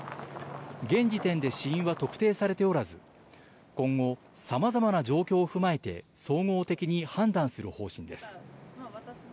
現時点で死因は特定されておらず、今後、さまざまな状況を踏まえて、総合的に判断する方針です。